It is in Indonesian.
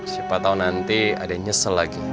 siapa tau nanti ada yang nyesel lagi